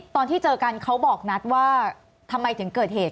ตอนที่เจอกันเขาบอกนัดว่าทำไมถึงเกิดเหตุ